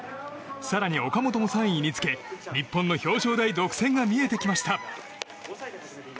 更に、岡本も３位につけ日本の表彰台独占が見えてきました。